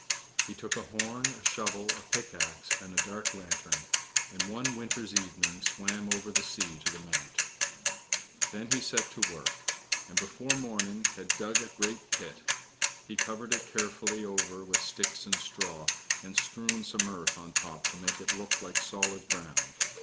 He took a horn, a shovel, a pickaxe, and a dark lantern, and one winter's evening swam over the sea to the Mount. Then he set to work, and before morning had dug a great pit. He covered it carefully over with sticks and straw, and strewed some earth on the top to make it look like solid ground.